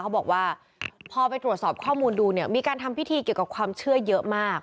เขาบอกว่าพอไปตรวจสอบข้อมูลดูเนี่ยมีการทำพิธีเกี่ยวกับความเชื่อเยอะมาก